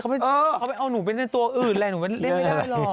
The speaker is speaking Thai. เขาไปเอาหนูไปในตัวอื่นแหละหนูเล่นไม่ได้หรอก